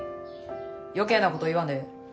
余計なこと言わんでええ。